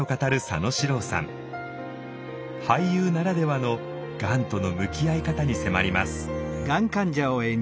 俳優ならではのがんとの向き合い方に迫ります。